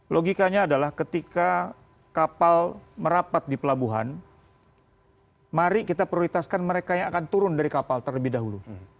logikanya adalah ketika kapal merapat di pelabuhan mari kita prioritaskan mereka yang akan turun dari kapal terlebih dahulu